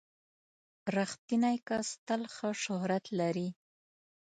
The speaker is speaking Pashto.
• رښتینی کس تل ښه شهرت لري.